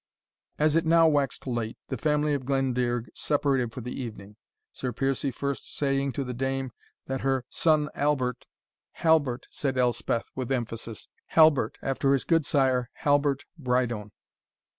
As it now waxed late, the family of Glendearg separated for the evening; Sir Piercie first saying to the dame, that "her son Albert " "Halbert," said Elspeth, with emphasis, "Halbert, after his goodsire, Halbert Brydone."